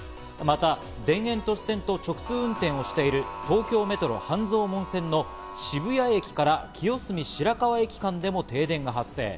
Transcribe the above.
また、田園都市線と直通運転をしている東京メトロ・半蔵門線の渋谷駅から清澄白河駅間でも停電が発生。